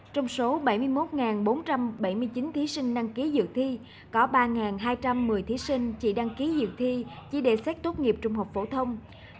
trong số bảy mươi một bốn trăm bảy mươi chín thí sinh đăng ký dự thi có ba hai trăm một mươi thí sinh chỉ đăng ký dự thi chỉ để xét tốt nghiệp trung học phổ thông